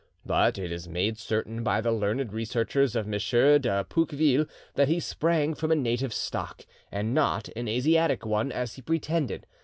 But it is made certain by the learned researches of M. de Pouqueville that he sprang from a native stock, and not an Asiatic one, as he pretended.